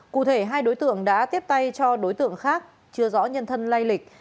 cụ thể hai đối tượng đã tiếp tay cho đối tượng khác chưa rõ nhân thân lay lịch